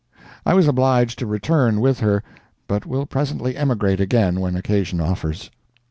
I was obliged to return with her, but will presently emigrate again when occasion offers.